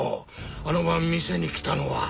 あの晩店に来たのは。